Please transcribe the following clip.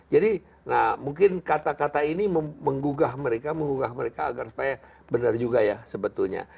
jadi mungkin kata kata ini menggugah mereka agar supaya benar juga ya sebetulnya